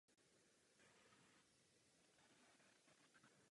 Vyšší teploty produkují samice a nižší samce.